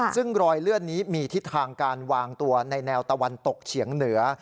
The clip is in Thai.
ซึ่งรอยเลื่อนนี้มีทิศทางการวางตัวในแนวตะวันตกเฉียงเหนือ